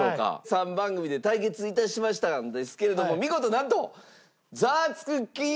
３番組で対決致しましたんですけれども見事なんと。